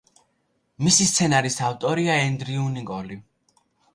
მისი სცენარის ავტორია ენდრიუ ნიკოლი.